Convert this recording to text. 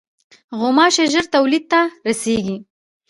غوماشې ژر تولید ته رسېږي.